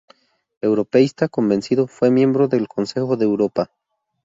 Europeísta convencido, fue miembro del Consejo de Europa.